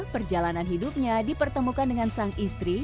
perjalanan hidupnya dipertemukan dengan sang istri